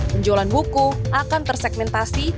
penjualan buku akan tersegmentasi